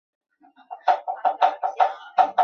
每个小队在露营时使用钟状帐篷。